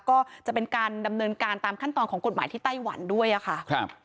ก็จะเป็นการดำเนินการตามขั้นตอนของกฎหมายที่ไต้หวันด้วยอะค่ะครับ